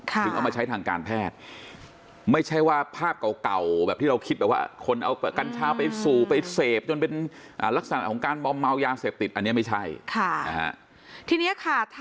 ถึงเอามาใช้ทางการแพทย์